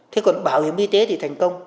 thế còn bảo hiểm y tế thì thành công